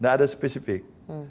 nggak ada spesifik